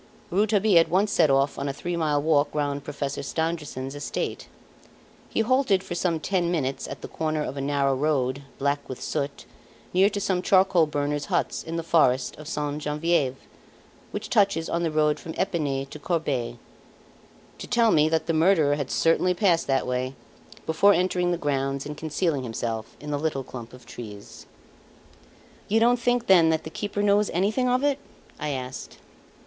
Rouletabille at once set off on a three mile walk round Professor Stangerson's estate. He halted for some ten minutes at the corner of a narrow road black with soot, near to some charcoal burners' huts in the forest of Sainte Genevieve, which touches on the road from Epinay to Corbeil, to tell me that the murderer had certainly passed that way, before entering the grounds and concealing himself in the little clump of trees. "You don't think, then, that the keeper knows anything of it?" I asked.